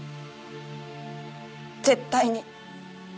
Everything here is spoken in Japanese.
絶対に。